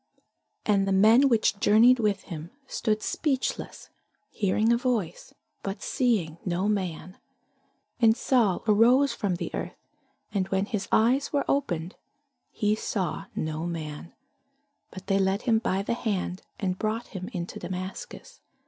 And the men which journeyed with him stood speechless, hearing a voice, but seeing no man. And Saul arose from the earth; and when his eyes were opened, he saw no man: but they led him by the hand, and brought him into Damascus.